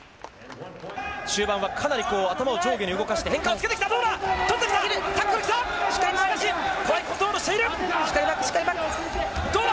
終盤はかなり頭を上下に動かして変化をつけてきた、どうだ。